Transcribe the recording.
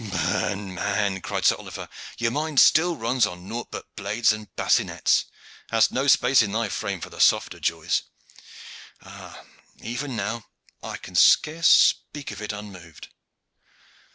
"Man, man," cried Sir Oliver, "your mind still runs on nought but blades and bassinets. Hast no space in thy frame for the softer joys. Ah, even now I can scarce speak of it unmoved.